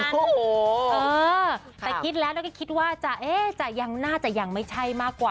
แต่คิดแล้วก็คิดว่าจะเอ่ยจะยังหน้าจะยังไม่ใช่มากกว่า